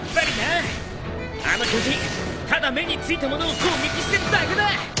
あの巨人ただ目についたものを攻撃してるだけだ。